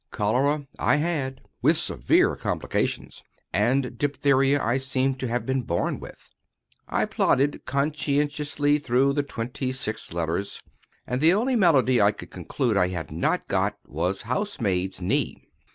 Cholera I had, with severe complications; and diphtheria I seemed to have been born with. I plodded conscientiously through the twenty six letters, and the only malady I could conclude I had not got was housemaid's knee.